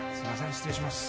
失礼します。